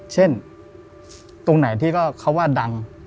เช่นตรงไหนที่ก็เขาว่าดัง